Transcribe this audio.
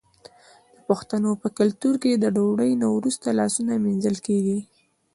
د پښتنو په کلتور کې د ډوډۍ نه وروسته لاسونه مینځل کیږي.